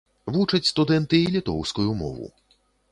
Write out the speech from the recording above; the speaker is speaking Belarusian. Вучаць студэнты і літоўскую мову.